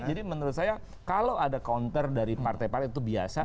jadi menurut saya kalau ada counter dari partai partai itu biasa